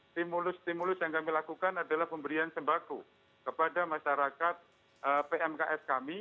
stimulus stimulus yang kami lakukan adalah pemberian sembako kepada masyarakat pmks kami